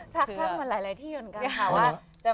ชักกันมาหลายที่เหมือนกันค่ะ